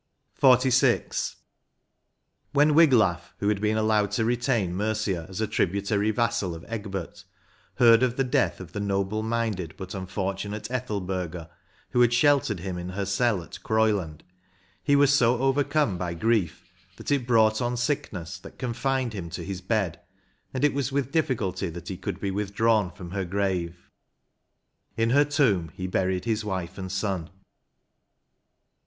92 XLVI. When Wiglaf, who had been allowed to retain Mercia as a tributary vassal of Egbert, heard of the death .of the noble minded but unfortunate Ethelberga, who had sheltered him in her cell at Groyland, he was so overcome by grief that it brought on sickness that confined him to his bed, and it was with difficulty that he could be with drawn from her grave. In her tomb he buried his wife and son.